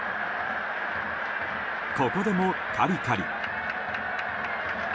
ここでもカリカリ。